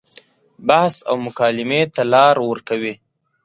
بحث او مکالمې ته لار ورکوي.